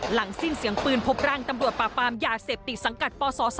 หลังสิ้นเสียงปืนพบร่างตำรวจปราบปรามยาเสพติดสังกัดปศ๒